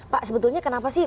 pak sebetulnya kenapa sih